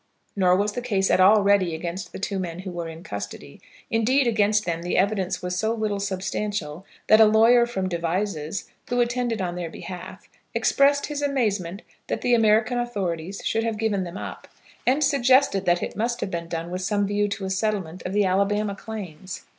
Nor was the case at all ready against the two men who were in custody. Indeed, against them the evidence was so little substantial that a lawyer from Devizes, who attended on their behalf, expressed his amazement that the American authorities should have given them up, and suggested that it must have been done with some view to a settlement of the Alabama claims.